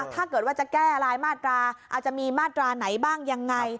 ถ้าเกิดว่าจะแก้รายมาตราอาจจะมีมาตราไหนบ้างยังไง